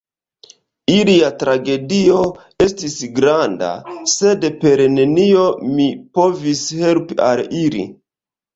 Ilia tragedio estis granda, sed per nenio mi povis helpi al ili.